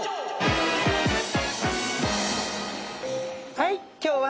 はい今日はね